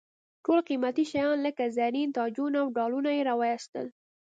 ټول قیمتي شیان لکه زرین تاجونه او ډالونه یې را واېستل.